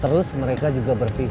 terus mereka juga berpikir